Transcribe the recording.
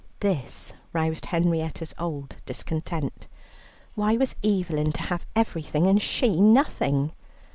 This roused Henrietta's old discontent. Why was Evelyn to have everything and she nothing?